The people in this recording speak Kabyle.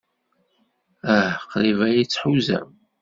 Ah, qrib ay tt-tḥuzam.